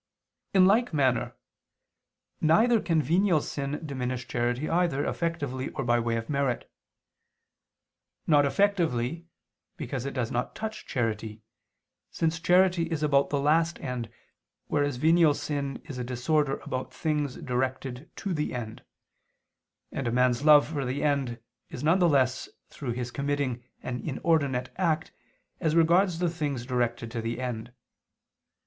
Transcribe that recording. In like manner, neither can venial sin diminish charity either effectively or by way of merit. Not effectively, because it does not touch charity, since charity is about the last end, whereas venial sin is a disorder about things directed to the end: and a man's love for the end is none the less through his committing an inordinate act as regards the things directed to the end.